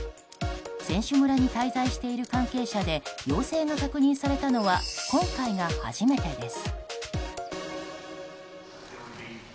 選手村に滞在している関係者で陽性が確認されたのは今回が初めてです。